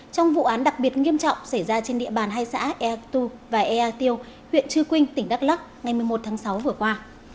trong vụ án đặc biệt nghiêm trọng xảy ra trên địa bàn hai xã ea tu và ea tiêu huyện trư quynh tỉnh đắk lắc ngày một mươi một tháng sáu vừa qua